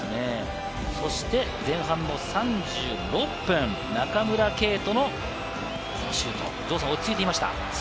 そして前半３６分、中村敬斗のこのシュート、落ち着いていました。